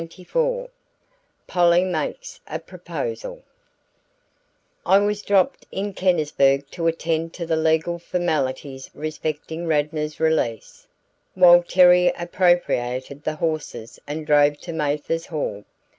CHAPTER XXIV POLLY MAKES A PROPOSAL I was dropped in Kennisburg to attend to the legal formalities respecting Radnor's release, while Terry appropriated the horses and drove to Mathers Hall.